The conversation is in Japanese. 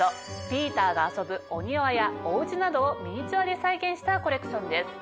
ピーターが遊ぶお庭やお家などをミニチュアで再現したコレクションです。